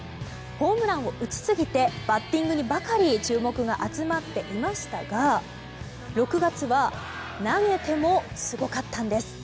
ホームランを打ちすぎてバッティングにばかり注目が集まっていましたが６月は投げてもすごかったんです。